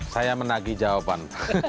saya menagih jawaban